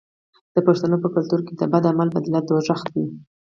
د پښتنو په کلتور کې د بد عمل بدله دوزخ دی.